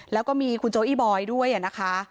แล้วก็มีคุณโจอี้บอยด้วยนะคะ